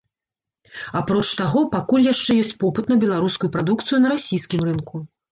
Апроч таго, пакуль яшчэ ёсць попыт на беларускую прадукцыю на расійскім рынку.